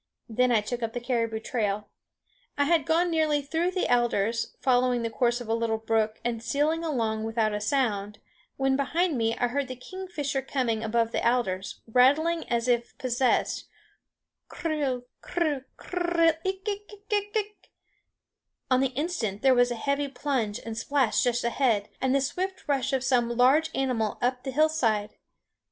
Then I took up the caribou trail. I had gone nearly through the alders, following the course of a little brook and stealing along without a sound, when behind me I heard the kingfisher coming above the alders, rattling as if possessed, klrrr, klrrr, klrrr ik ik ik! On the instant there was a heavy plunge and splash just ahead, and the swift rush of some large animal up the hillside.